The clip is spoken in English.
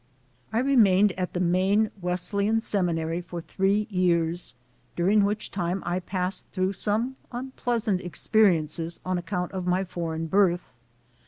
I remained at the Maine Wesleyan Seminary for three years, during which time I passed through some unpleasant experiences on account of my foreign birth.